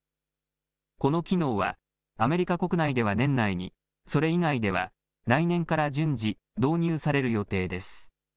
この機能はアメリカ国内では年内に、それ以外では来年から順次、導入される予定です。